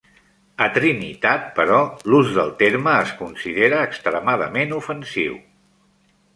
A Trinitat, però, l'ús del terme es considera extremadament ofensiu.